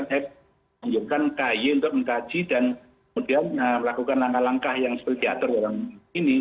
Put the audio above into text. saya anjurkan kay untuk mengkaji dan kemudian melakukan langkah langkah yang seperti diatur dalam ini